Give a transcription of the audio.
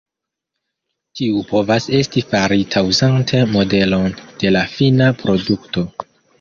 Tiu povas esti farita uzante modelon de la fina produkto.